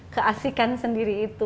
keasikan sendiri itu